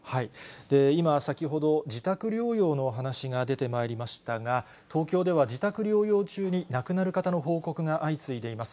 今、先ほど自宅療養の話が出てまいりましたが、東京では自宅療養中に亡くなる方の報告が相次いでいます。